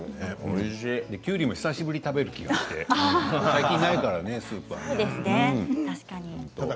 きゅうりも久しぶりに食べる気がして最近ないからね、スーパーに。